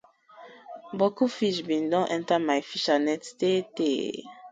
Boku fish been don enter my fishernet tey tey.